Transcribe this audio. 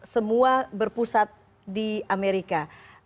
semua berpusat di amerika